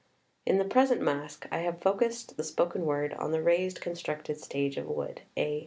In the present Masque I have focussed the spoken word on the raised constructed stage of wood [A.